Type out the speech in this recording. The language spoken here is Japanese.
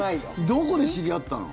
どこで知り合ったの？